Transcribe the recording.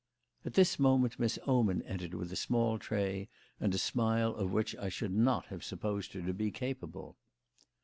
At this moment Miss Oman entered with a small tray and a smile of which I should not have supposed her to be capable.